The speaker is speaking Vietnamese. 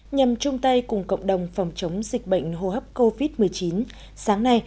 nhằm chung tay cùng cộng đồng phòng chống dịch bệnh hô hấp covid một mươi chín sáng nay